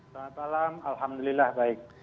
selamat malam alhamdulillah baik